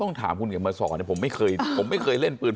ต้องถามคุณเมอสสอวนผมไม่เคยเล่นปืน